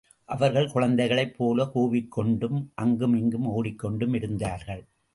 அவர்கள் குழந்தைகளைப் போலக் கூவிக்கொண்டும் அங்கும் இங்கும் ஓடிக்கொண்டும் இருந்தார்கள்.